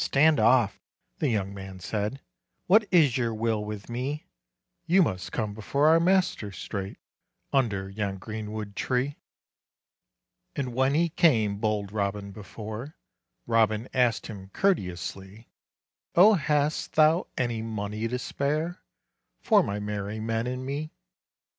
stand off!" the young man said, "What is your will with me?" "You must come before our master straight, Under yon greenwood tree." And when he came bold Robin before, Robin asked him courteously, "Oh, hast thou any money to spare, For my merry men and me?"